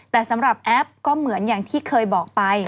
แต่สำหรับแอปก็เหมือนอย่างที่เคยบอกไป